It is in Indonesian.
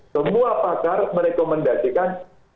semua pakar merekomendasikan